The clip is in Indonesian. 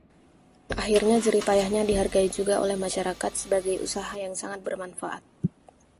akhirnya jerih payahnya dihargai juga oleh masyarakat sebagai usaha yang sangat bermanfaat